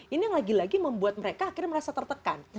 ini yang lagi lagi membuat mereka akhirnya merasa tertekan